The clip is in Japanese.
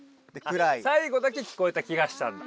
最後だけ聞こえた気がしたんだ。